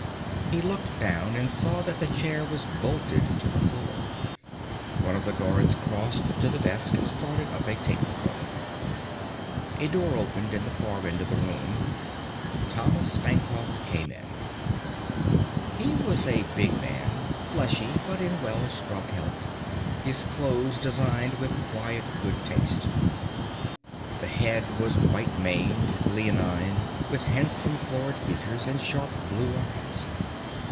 He looked down and saw that the chair was bolted to the floor. One of the guards crossed to the desk and started up a tape recorder. A door opened in the far end of the room. Thomas Bancroft came in. He was a big man, fleshy but in well scrubbed health, his clothes designed with quiet good taste. The head was white maned, leonine, with handsome florid features and sharp blue eyes.